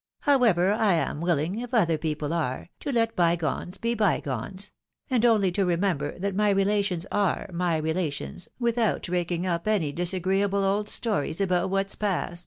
However, I am willing, if other people are, to let by gones be bygones — and only to remember that my relations are my relations, without raking up any disagreeable old stories about what's past."